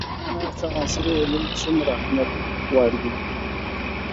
له دیني اړخه عصري علوم څومره د اهمیت وړ دي